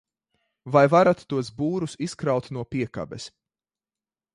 Vai varat tos būrus izkraut no piekabes?